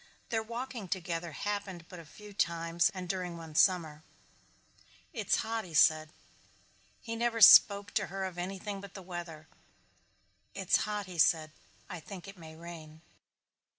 Their walking together happened but a few times and during one summer. "It's hot," he said. He never spoke to her of anything but the weather. "It's hot," he said; "I think it may rain."